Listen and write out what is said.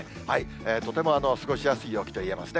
とても過ごしやすい陽気といえますね。